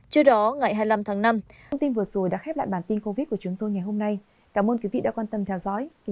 trước đó ngày hai mươi năm tháng năm